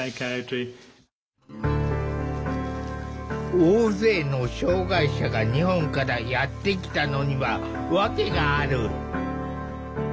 大勢の障害者が日本からやって来たのには訳がある。